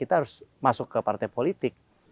kita harus masuk ke partai politik